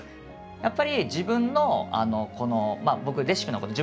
やっぱり自分のこの僕レシピのこと